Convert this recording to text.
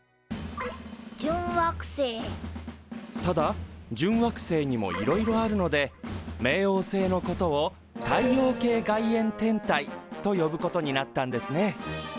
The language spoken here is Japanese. ただ準惑星にもいろいろあるので冥王星のことを太陽系外縁天体と呼ぶことになったんですね。